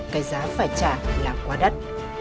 cái giá phải trả là quá đắt